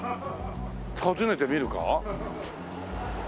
たずねてみるか？